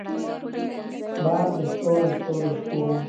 بار د ستورو ستورو شپو